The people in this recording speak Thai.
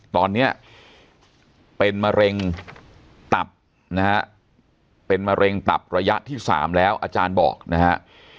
ตอนนี้เป็นมะเร็งตับนะฮะเป็นมะเร็งตับระยะที่๓แล้วอาจารย์บอกนะฮะ